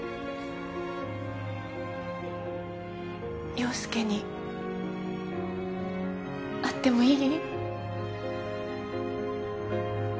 陽佑に会ってもいい？